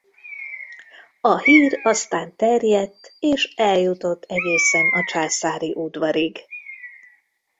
A hír aztán terjedt és eljutott egészen a császári udvarig.